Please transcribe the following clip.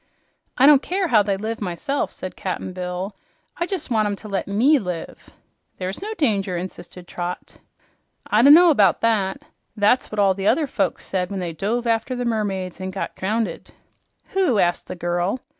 "I don't care how they live, myself," said Cap'n Bill. "I jes' want 'em to let ME live." "There's no danger," insisted Trot. "I do' know 'bout that. That's what all the other folks said when they dove after the mermaids an' got drownded." "Who?" asked the girl.